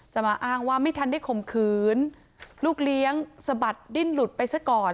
มาอ้างว่าไม่ทันได้ข่มขืนลูกเลี้ยงสะบัดดิ้นหลุดไปซะก่อน